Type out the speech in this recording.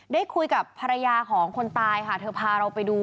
ได้คุยกับภรรยาของคนตายค่ะเธอพาเราไปดู